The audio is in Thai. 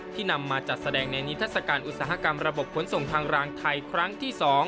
นำมาจัดแสดงในนิทัศกาลอุตสาหกรรมระบบขนส่งทางรางไทยครั้งที่๒